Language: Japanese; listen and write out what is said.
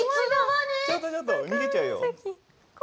ちょっとちょっと逃げちゃうよ。